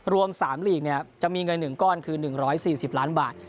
รวม๓ลีกจะมีเงิน๑ก้อนคือ๑๔๐ล้านบาท